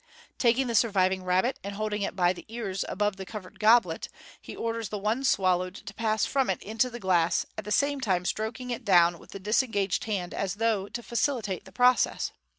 Taking the surviving rabbit, and holding it by the ears above the covered goblet, he orders the one swallowed to pass from it into the glass, at the same time stroking it down with the disengaged hand, as though to facilitate the process.